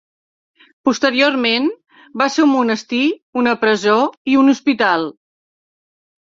Posteriorment va ser un monestir, una presó i un hospital.